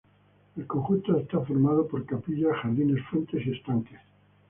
El conjunto está formado por capillas, jardines, fuentes y estanques.